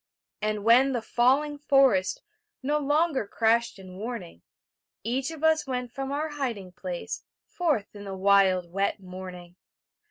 And when the falling forest No longer crashed in warning, Each of us went from our hiding place Forth in the wild wet morning.